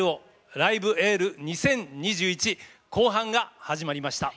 「ライブ・エール２０２１」後半が始まりました。